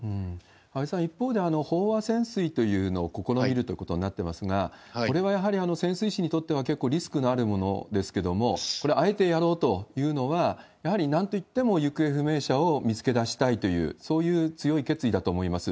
安倍さん、一方で、飽和潜水というのを試みることになっていますが、これはやはり潜水士にとっては結構リスクのあるものですけれども、これはあえてやろうというのは、やはりなんといっても行方不明者を見つけ出したいという、そういう強い決意だと思います。